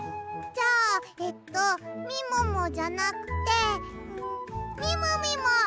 じゃあえっとみももじゃなくてみもみも！